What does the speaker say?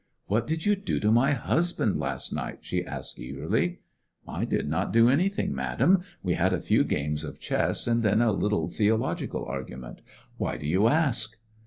^^What did you do to my hmband last night?'' she asked eagerly* '*I did not do aEy thing, madam. We had a few games of ehess and then a little theo logical argument Why do you ask